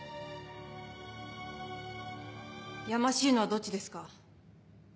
やましいのはどっちですか？